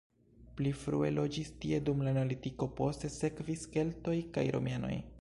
Pli frue loĝis tie dum la neolitiko, poste sekvis keltoj kaj romianoj.